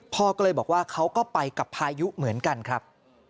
พ่อก็เลยบอกว่าเขาก็ไปกับพายุเหมือนกันครับ